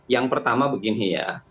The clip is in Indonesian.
yang pertama begini ya